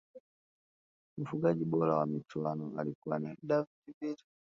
mfungaji bora wa michuano alikuwa ni david villa